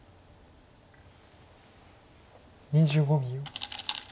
２５秒。